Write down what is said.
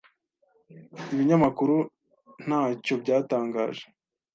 Ibinyamakuru ntacyo byatangaje.